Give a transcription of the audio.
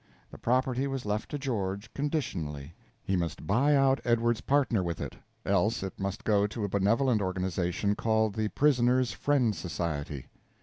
The property was left to George conditionally: he must buy out Edward's partner with it; else it must go to a benevolent organization called the Prisoner's Friend Society.